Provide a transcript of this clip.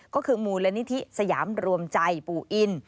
ก็คือมูลนิธิสยามรวมใจปู่อิน